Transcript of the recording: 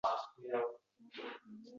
Fikr edi uchqur qanot